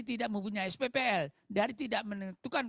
tidak mempunyai sppl dari tidak menentukan